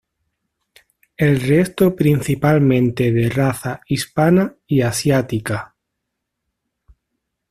El resto principalmente de raza hispana y asiática.